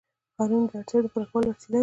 ښارونه د اړتیاوو د پوره کولو وسیله ده.